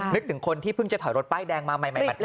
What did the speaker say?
นึกถึงคนที่เพิ่งจะถอยรถป้ายแดงมาใหม่